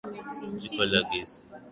Jiko la gesi.